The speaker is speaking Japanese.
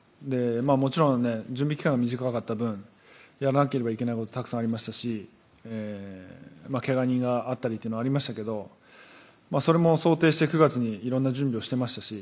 もちろん、準備期間が短かった分やらなければいけないことたくさんありましたしけが人があったりというのはありましたけどもそれも、想定して９月にいろんな準備をしていましたし